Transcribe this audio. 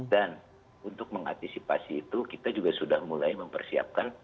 dan untuk mengantisipasi itu kita juga sudah mulai mempersiapkan